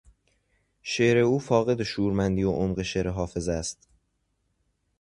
شعر او فاقد شورمندی و عمق شعر حافظ است.